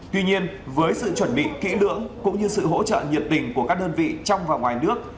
tuy nhiên với sự chuẩn bị kỹ lưỡng cũng như sự hỗ trợ nhiệt tình của các đơn vị trong và ngoài nước